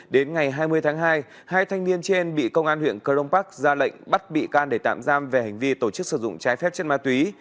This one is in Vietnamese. đến ngày hai mươi tháng hai hai thanh niên trên bị công an huyện cờ rông bắc ra lệnh bắt bị can để tạm giam về hành vi tổ chức sử dụng trái phép chất ma túy